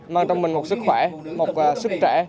mang trong mình một sức khỏe một sức trẻ